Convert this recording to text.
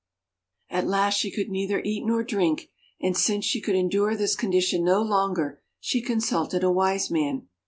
At last she could neither eat nor drink; and since she could endure this condition no longer, she consulted a Wiseman.